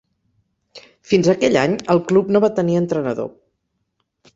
Fins aquell any el club no va tenir entrenador.